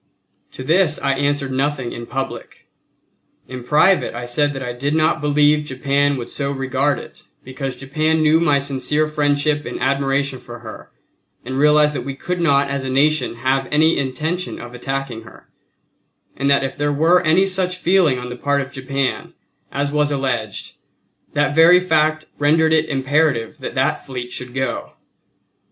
To this I answered nothing in public. In private I said that I did not believe Japan would so regard it because Japan knew my sincere friendship and admiration for her and realized that we could not as a Nation have any intention of attacking her; and that if there were any such feeling on the part of Japan as was alleged that very fact rendered it imperative that that fleet should go.